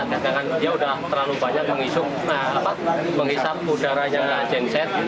jangan jangan dia sudah terlalu banyak menghisap udaranya janset